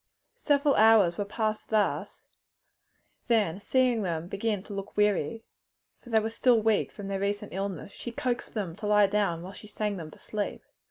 Several hours were passed thus, then seeing them begin to look weary for they were still weak from their recent illness she coaxed them to lie down while she sang them to sleep.